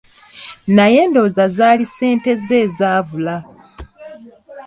Naye ndowooza zaali ssente ze zaabula.